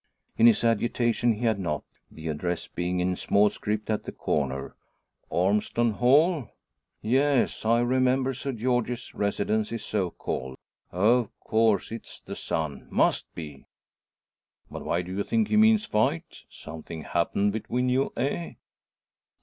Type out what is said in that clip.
In his agitation he had not, the address being in small script at the corner. "Ormeston Hall? Yes, I remember, Sir George's residence is so called. Of course it's the son must be." "But why do you think he means fight? Something happened between you, eh?"